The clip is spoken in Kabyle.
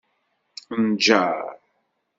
Nǧeṛ.